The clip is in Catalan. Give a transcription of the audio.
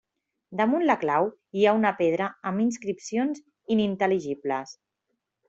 Damunt la clau hi ha una pedra amb inscripcions inintel·ligibles.